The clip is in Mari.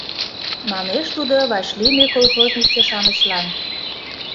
— манеш тудо вашлийме колхознице-шамычлан...